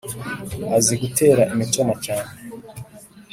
azi gutera imitoma cyane